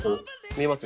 ・見えます